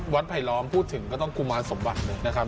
ไผลล้อมพูดถึงก็ต้องกุมารสมบัติเลยนะครับ